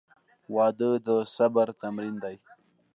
• واده د صبر تمرین دی.